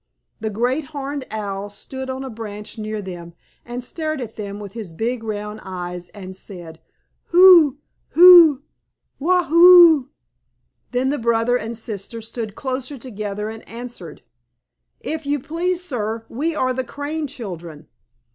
The Great Horned Owl stood on a branch near them, and stared at them with his big round eyes, and said, "Who? Who? Waugh ho oo!" Then the brother and sister stood closer together and answered, "If you please, sir, we are the Crane children."